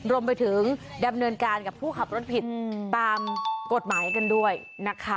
รวมไปถึงดำเนินการกับผู้ขับรถผิดตามกฎหมายกันด้วยนะคะ